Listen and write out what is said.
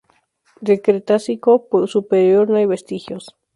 Del Cretácico superior no hay vestigios.